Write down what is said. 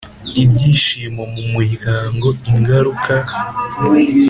ibyishimo mu muryango Ingaruka